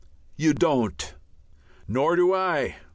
You don't. Nor do I.